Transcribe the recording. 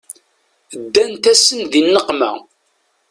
Ddant-asent di nneqma.